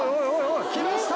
きました！